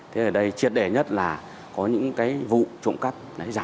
thế ở đây triệt đề nhất là có những cái vụ trộm cắp giả